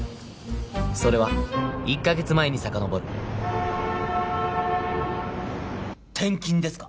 それは１カ月前にさかのぼる転勤ですか？